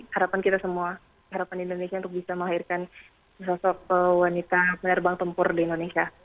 harapan kita semua harapan indonesia untuk bisa melahirkan sosok wanita penerbang tempur di indonesia